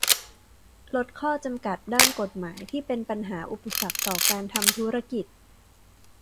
ลดข้อจำกัดด้านกฎหมายที่เป็นปัญหาอุปสรรคต่อการทำธุรกิจ